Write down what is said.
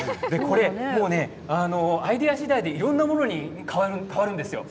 アイデア次第でいろんなものに変わるんですよ。